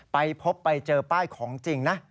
ไปพบไปเจอป้ายของจริงนะ